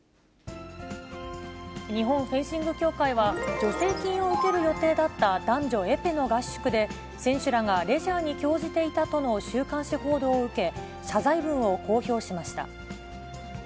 日本フェンシング協会は、助成金を受ける予定だった男子エペの合宿で、選手らがレジャーに興じていたとの週刊誌報道を受け、謝罪文を公表しました。